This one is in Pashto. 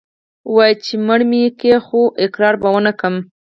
ويل يې چې مړ مې که خو اقرار به ونه کم.